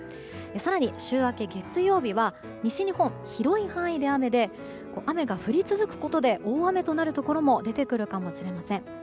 更に、週明け月曜日は西日本の広い範囲で雨で雨が降り続くことで大雨となるところも出てくるかもしれません。